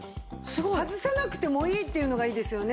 外さなくてもいいっていうのがいいですよね。